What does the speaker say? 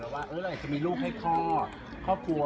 เราอยากจะมีลูกให้ครอบครัว